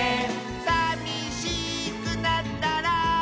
「さみしくなったら」